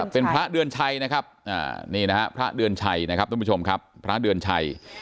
เป็นพระเลือนไชเนี่ยครับนะครับพระเลือนไช